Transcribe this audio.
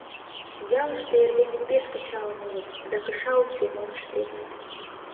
Ялыште эрдене пеш кычалын улыт, да кыша уке, мом ыштет?